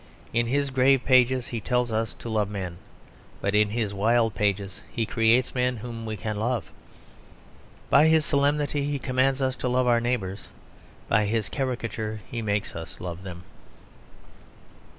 In his grave pages he tells us to love men; but in his wild pages he creates men whom we can love. By his solemnity he commands us to love our neighbours. By his caricature he makes us love them.